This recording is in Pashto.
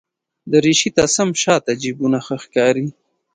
دریشي ته سم شاته جېبونه ښه ښکاري.